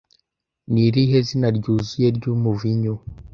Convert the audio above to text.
Ni irihe zina ryuzuye ry'umuvinyu